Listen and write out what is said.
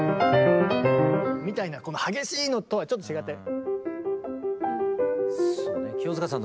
みたいな激しいのとはちょっと違って。